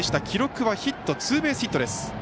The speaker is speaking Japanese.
記録はヒットツーベースヒットです。